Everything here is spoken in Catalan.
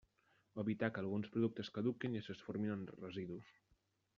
Evitar que alguns productes caduquin i es transformin en residus.